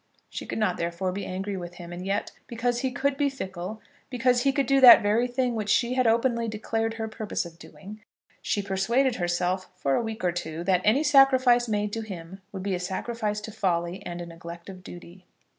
She could not therefore be angry with him. And yet, because he could be fickle, because he could do that very thing which she had openly declared her purpose of doing, she persuaded herself, for a week or two, that any sacrifice made to him would be a sacrifice to folly, and a neglect of duty.